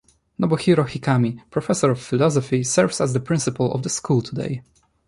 Nobuhiro Hikami, Professor of Philosophy, serves as the principal of the school today.